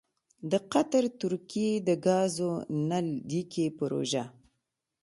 دقطر ترکیې دګازو نل لیکې پروژه: